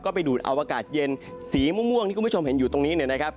ไปดูดเอาอากาศเย็นสีม่วงที่คุณผู้ชมเห็นอยู่ตรงนี้เนี่ยนะครับ